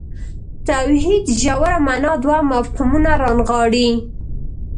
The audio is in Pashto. توحید ژوره معنا دوه مفهومونه رانغاړي.